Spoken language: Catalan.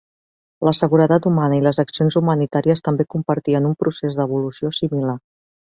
La seguretat humana i les accions humanitàries també compartien un procés d'evolució similar.